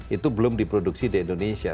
itu belum diproduksi di indonesia